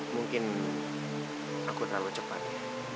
mungkin aku terlalu cepat